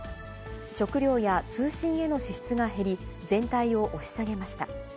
食料や通信への支出が減り、全体を押し下げました。